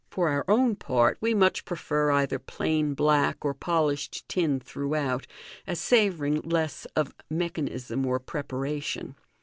(For our own part, we much prefer either plain black or polished tin throughout, as savouring less of mechan ism or preparation.)